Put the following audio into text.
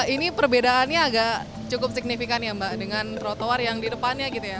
ini perbedaannya agak cukup signifikan ya mbak dengan trotoar yang di depannya gitu ya